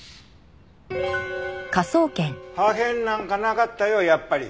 破片なんかなかったよやっぱり。